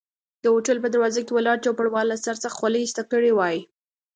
د هوټل په دروازه کې ولاړ چوپړوال له سر څخه خولۍ ایسته کړي وای.